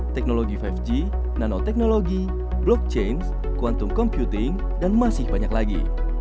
teknologi lima g nanoteknologi blockchain quantum computing dan masih banyak lagi